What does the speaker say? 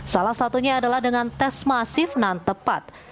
salah satunya adalah dengan tes masif dan tepat